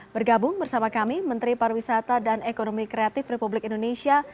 bergabung bersama kami menteri pariwisata dan ekonomi kreatif republik indonesia